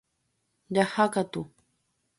Jahákatu